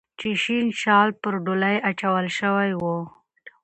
چې شین شال پر ډولۍ اچول شوی و